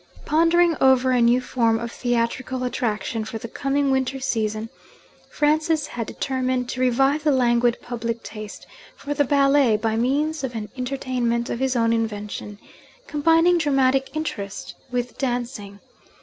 Pondering over a new form of theatrical attraction for the coming winter season, Francis had determined to revive the languid public taste for the ballet by means of an entertainment of his own invention, combining dramatic interest with dancing.